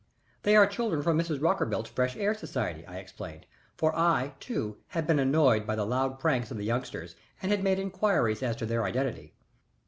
"They are children from Mrs. Rockerbilt's Fresh Air Society," I explained, for I, too, had been annoyed by the loud pranks of the youngsters and had made inquiries as to their identity.